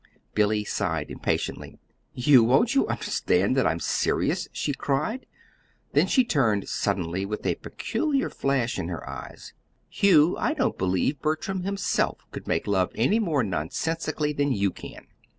Billy sighed impatiently. "Hugh, won't you understand that I'm serious?" she cried; then she turned suddenly, with a peculiar flash in her eyes. "Hugh, I don't believe Bertram himself could make love any more nonsensically than you can!"